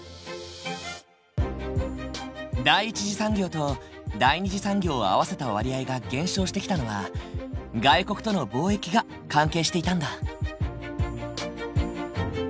第一次産業と第二次産業を合わせた割合が減少してきたのは外国との貿易が関係していたんだ。